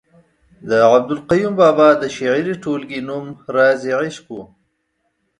د عبدالقیوم بابا د شعري ټولګې نوم رازِ عشق ؤ